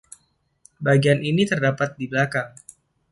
Bagian ini terdapat di belakang.